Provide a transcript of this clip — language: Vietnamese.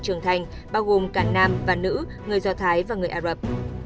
trưởng thành bao gồm cả nam và nữ người do thái và người ả rập